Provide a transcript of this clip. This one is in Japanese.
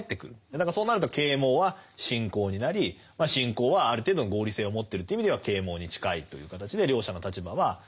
だからそうなると啓蒙は信仰になり信仰はある程度の合理性を持ってるという意味では啓蒙に近いという形で両者の立場は反転していく。